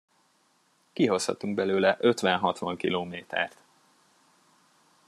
Kihozhatunk belőle ötven-hatvan kilométert.